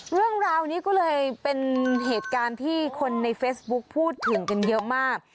เรื่องราวนี้ก็เลยเป็นเหตุการณ์ที่คนในเฟซบุ๊คพูดถึงกันเยอะมาก